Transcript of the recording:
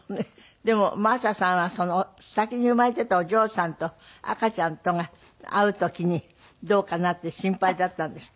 でも真麻さんは先に生まれていたお嬢さんと赤ちゃんとが会う時にどうかな？って心配だったんですって？